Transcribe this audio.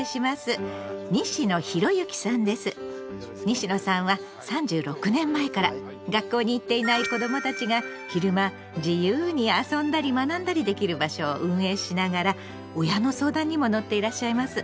西野さんは３６年前から学校に行っていない子どもたちが昼間自由に遊んだり学んだりできる場所を運営しながら親の相談にも乗っていらっしゃいます。